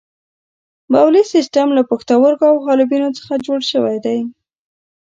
بولي سیستم له پښتورګو او حالبینو څخه جوړ شوی دی.